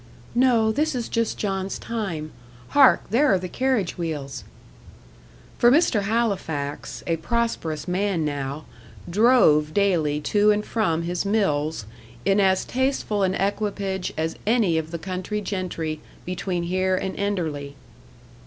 "No this is just John's time. Hark! there are the carriage wheels!" For Mr. Halifax, a prosperous man now, drove daily to and from his mills, in as tasteful an equipage as any of the country gentry between here and Enderley.